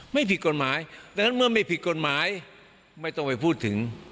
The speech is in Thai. ไม่ผิดกฎหมายดังนั้นเมื่อไม่ผิดกฎหมายไม่ต้องไปพูดถึง